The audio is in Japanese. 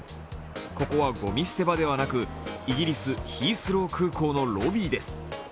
ここはごみ捨て場ではなくイギリス、ヒースロー空港のロビーです。